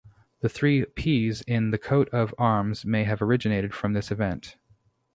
The three "P"s in the coat of arms may have originated from this event.